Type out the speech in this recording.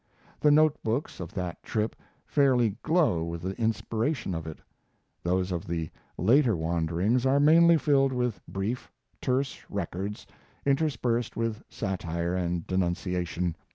The note books of that trip fairly glow with the inspiration of it; those of the later wanderings are mainly filled with brief, terse records, interspersed with satire and denunciation.